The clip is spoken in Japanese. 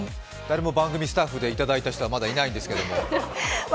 誰も番組スタッフで頂いた人はまだいないんですけれども。